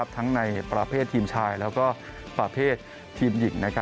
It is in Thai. ทั้งในประเภททีมชายแล้วก็ประเภททีมหญิง